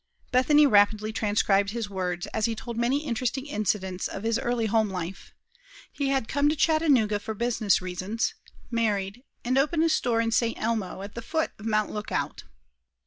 Bethany rapidly transcribed his words, as he told many interesting incidents of his early home life. He had come to Chattanooga for business reasons, married, and opened a store in St. Elmo, at the foot of Mount Lookout.